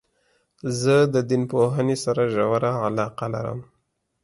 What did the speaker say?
زه د دین پوهني سره ژوره علاقه لرم.